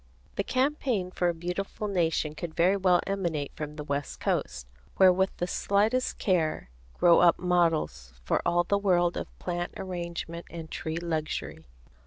The campaign for a beautiful nation could very well emanate from the west coast, where with the slightest care grow up models for all the world of plant arrangement and tree luxury.